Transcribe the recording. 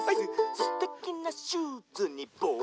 「すてきなシューズにぼうしでキメて」